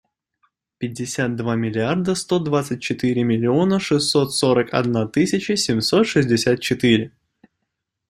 Пятьдесят два миллиарда сто двадцать четыре миллиона шестьсот сорок одна тысяча семьсот шестьдесят четыре.